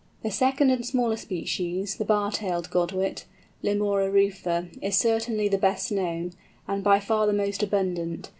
The second and smaller species, the Bar tailed Godwit, Limora rufa, is certainly the best known, and by far the most abundant.